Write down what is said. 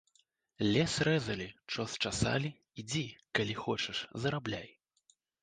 Лес рэзалі, чос часалі, ідзі, калі хочаш, зарабляй.